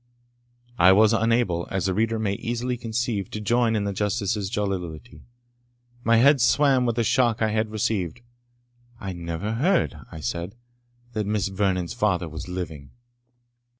I was unable, as the reader may easily conceive, to join in the Justice's jollity. My head swam with the shock I had received. "I never heard," I said, "that Miss Vernon's father was living."